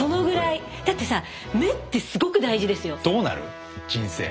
だってさ目ってすごく大事ですよ。